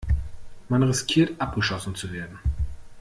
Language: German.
Man riskiert, abgeschossen zu werden.